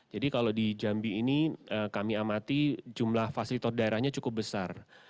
jadi kalau di jambi ini kami amati jumlah fasilitator daerahnya cukup besar